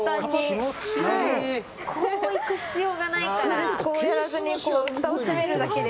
こう行く必要がないから。